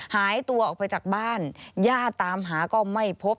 หายตัวออกไปจากบ้านญาติตามหาก็ไม่พบ